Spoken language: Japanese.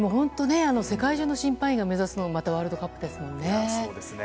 世界中の審判員が目指すのがワールドカップですものね。